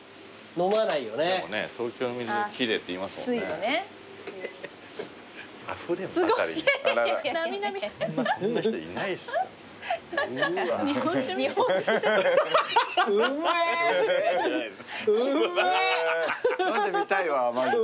飲んでみたいわマジで。